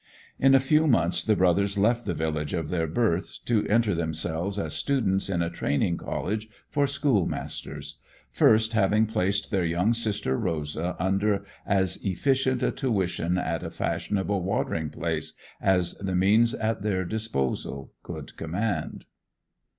In a few months the brothers left the village of their birth to enter themselves as students in a training college for schoolmasters; first having placed their young sister Rosa under as efficient a tuition at a fashionable watering place as the means at their disposal could command.